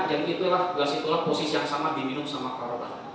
yang itulah gelas itulah posisi yang sama diminum sama perotak